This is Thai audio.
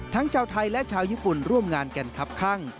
ชาวไทยและชาวญี่ปุ่นร่วมงานกันครับข้าง